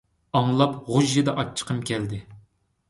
ئاڭلاپ غۇژژىدە ئاچچىقىم كەلدى.